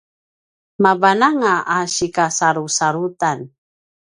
mavananga a sikasalusalutan